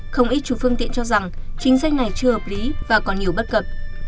không ít chủ phương tiện cho rằng chính sách này chưa hợp lý và còn nhiều bất cập